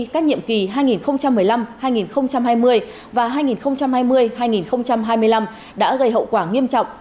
các nhiệm kỳ hai nghìn một mươi năm hai nghìn hai mươi và hai nghìn hai mươi hai nghìn hai mươi năm đã gây hậu quả nghiêm trọng